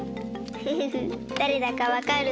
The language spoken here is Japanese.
フフフだれだかわかる？